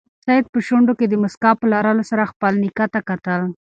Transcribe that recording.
سعید په شونډو کې د موسکا په لرلو سره خپل نیکه ته کتل.